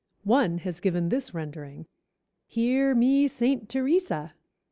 One has given this rendering: "Hear me Saint Ther e sa."